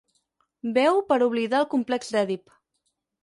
Beu per oblidar el complex d'Èdip.